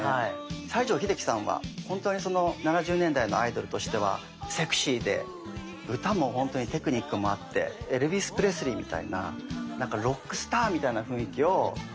西城秀樹さんは本当に７０年代のアイドルとしてはセクシーで歌も本当にテクニックもあってエルヴィス・プレスリーみたいななんかロックスターみたいな雰囲気を出した人だと思います。